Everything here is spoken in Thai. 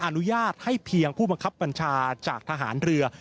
อนุญาตให้เพียงผู้บังคับบัญชาจากทหารเรือ